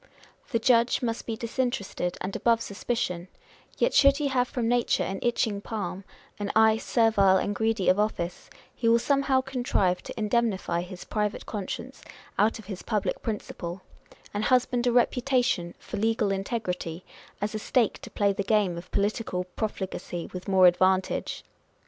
The judge must be disinterested and above suspicion ; yet should he have from nature an itching palm, an eye servile and greedy of office, he will somehow contrive to indemnify his private conscience out of his public principle, and husband a reputation for legal integrity, as a stake to play the game of political profligacy with more advantage